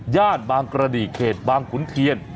ญาติบางกระดิกเหตุบางขุนเคียน